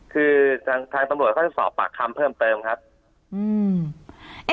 คือทางทางตำรวจเขาจะสอบปากคำเพิ่มเติมครับอืม